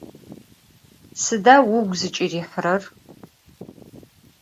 Sıda vugu zıç'ırihırer?